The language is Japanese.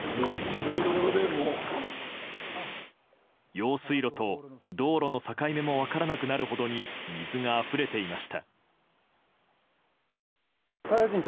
用水路と道路の境目も分からなくなるほどに水があふれていました。